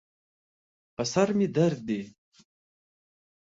په سر مې درد دی